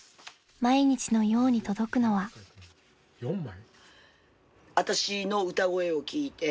４枚？